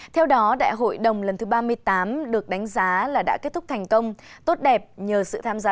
theo đó đại hội đồng lần thứ ba mươi tám được đánh giá là đã kết thúc thành công tốt đẹp nhờ sự tham gia